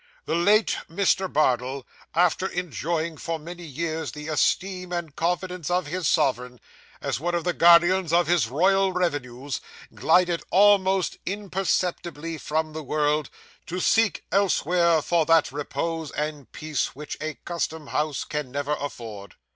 The late Mr. Bardell, after enjoying, for many years, the esteem and confidence of his sovereign, as one of the guardians of his royal revenues, glided almost imperceptibly from the world, to seek elsewhere for that repose and peace which a custom house can never afford.